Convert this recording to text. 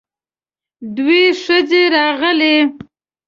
دوې ښځې راغلې.